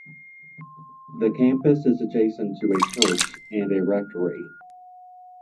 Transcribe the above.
The campus is adjacent to a church and a rectory.